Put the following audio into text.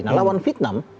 nah lawan vietnam